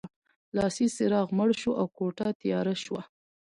لاسي څراغ مړ شو او کوټه تیاره شوه